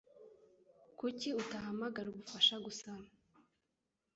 Kuki utahamagara ubufasha gusa